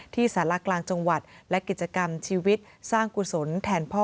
สาระกลางจังหวัดและกิจกรรมชีวิตสร้างกุศลแทนพ่อ